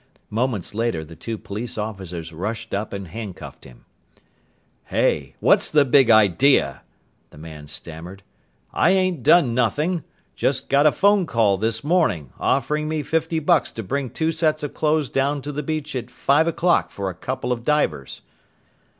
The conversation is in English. Moments later, the two police officers rushed up and handcuffed him. "Hey! What's the big idea?" the man stammered. "I ain't done nothing. Just got a phone call this morning, offering me fifty bucks to bring two sets of clothes down to the beach at five o'clock for a couple of divers."